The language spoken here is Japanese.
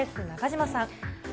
中島さん。